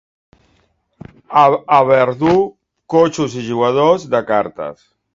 A Verdú, coixos i jugadors de cartes.